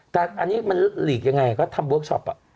แต่ว่างี้เหลียกยังไงก็จะทำเวิฟชอป